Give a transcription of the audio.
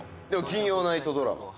金曜ナイトドラマ